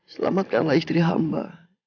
selamatkanlah istri hamba